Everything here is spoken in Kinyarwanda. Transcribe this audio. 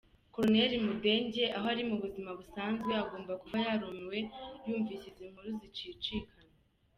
Koloneli Mudenge aho ari mu buzima busanzwe agomba kuba yarumiwe yumvise izi nkuru zicicikana!